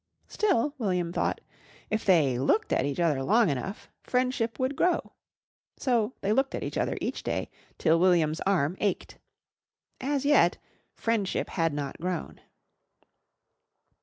Still, William thought, if they looked at each other long enough, friendship would grow. So they looked at each other each day till William's arm ached. As yet friendship had not grown.